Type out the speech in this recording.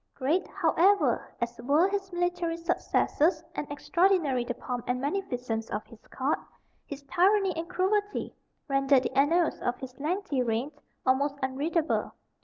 Great, however, as were his military successes, and extraordinary the pomp and magnificence of his court, his tyranny and cruelty render the annals of his lengthy reign almost unreadable.